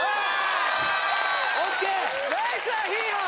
ナイスだヒーハー！